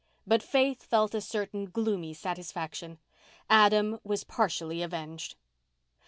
But Faith felt a certain gloomy satisfaction. Adam was partially avenged.